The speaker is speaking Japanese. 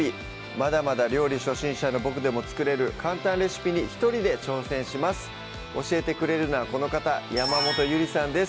まだまだ料理初心者のボクでも作れる簡単レシピに一人で挑戦します教えてくれるのはこの方山本ゆりさんです